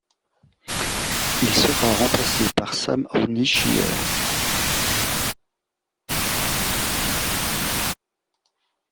Il sera remplacé par Sam Hornish jr.